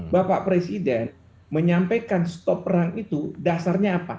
bapak presiden menyampaikan stop perang itu dasarnya apa